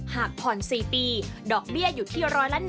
หากผ่อน๔ปีดอกเบี้ยอยู่ที่๑๐๑